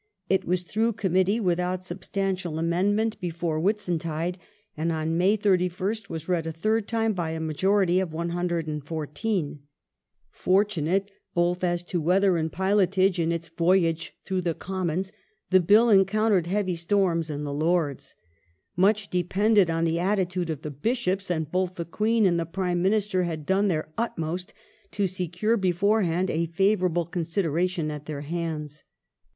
^ It was through Committee, without substantial amendment, before Whitsuntide, and on May 31st was read a third time by a majority of 114. The Bill Fortunate, both as to weather and pilotage, in its voyage 15 *^^ n through the Commons, the Bill encountered heavy storms in the Lords Lords. Much depended on the attitude oi the Bishops, and both the Queen and the Prime Minister had done their utmost to secure beforehand a favourable consideration at their hands.